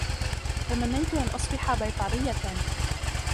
. تمنّيت أن أصبح بيطريّة